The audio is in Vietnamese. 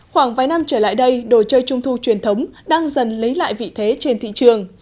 khoảng vài năm trở lại đây đồ chơi trung thu truyền thống đang dần lấy lại vị thế trên thị trường